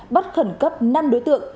bắt khẩn cấp năm đối tượng